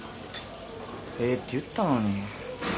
ええって言ったのに。